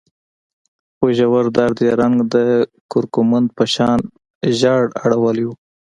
خو ژور درد يې رنګ د کورکمند په شان ژېړ اړولی و.